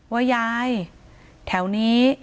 ว่ายายแถวนี้